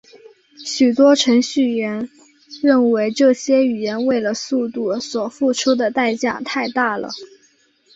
许多程序员认为这些语言为了速度所付出的代价太大了。